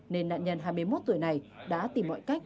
nên nạn nhân hai mươi một tuổi này đã tìm mọi cách